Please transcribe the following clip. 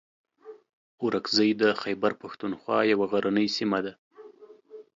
اورکزۍ د خیبر پښتونخوا یوه غرنۍ سیمه ده.